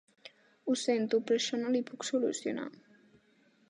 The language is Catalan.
Ho sento, però això no li puc solucionar.